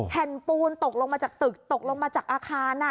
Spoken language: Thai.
แผ่นปูนตกลงมาจากตึกตกลงมาจากอาคาร